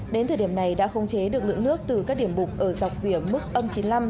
đến thời điểm này đã không chế được lượng nước từ các điểm bục ở dọc vỉa mức âm chín mươi năm